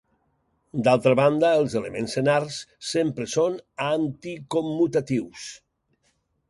D'altra banda, els elements senars sempre són anticommutatius.